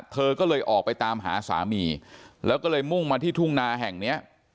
เธอก็เลยออกไปตามหาสามีแล้วก็เลยมุ่งมาที่ทุ่งนาแห่งเนี้ย